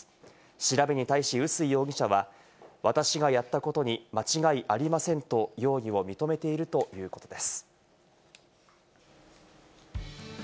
調べに対し薄井容疑者は、私がやったことに間違いありませんと容疑を認めているということです。